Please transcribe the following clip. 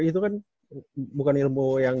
itu kan bukan ilmu yang